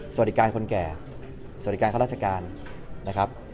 สวัสดีการคนแก่สวัสดิการข้าราชการนะครับ